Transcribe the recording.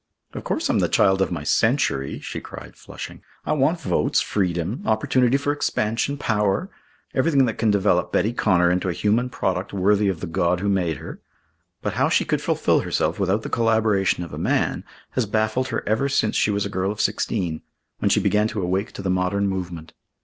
"Of course I'm the child of my century," she cried, flushing. "I want votes, freedom, opportunity for expansion, power everything that can develop Betty Connor into a human product worthy of the God who made her. But how she could fulfil herself without the collaboration of a man, has baffled her ever since she was a girl of sixteen, when she began to awake to the modern movement.